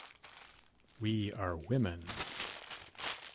We are women.